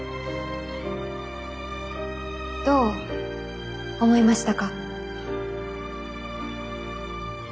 どう思いましたか？